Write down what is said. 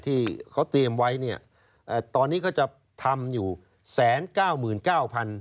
ที่เขาเตรียมไว้เนี่ยตอนนี้ก็จะทำอยู่แสนเก้าหมื่นเก้าพัน